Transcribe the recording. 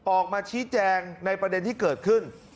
ออกมาชี้แจงในประเด็นที่เกิดขึ้น